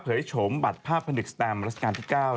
เผยชมบัตรภาพพนึกสแตมฤาษาการที่๙